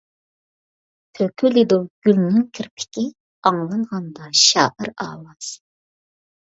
تۆكۈلىدۇ گۈلنىڭ كىرپىكى، ئاڭلانغاندا شائىر ئاۋازى.